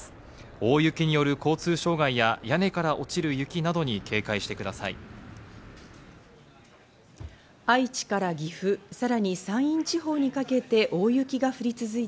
大雪による交通障害や屋根から落ちる雪などに警戒してください。